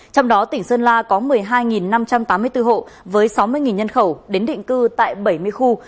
trong đó tỉnh sơn la có một mươi hai năm trăm tám mươi bốn hộ với sáu mươi nhân khẩu đến định cư tại bảy mươi khu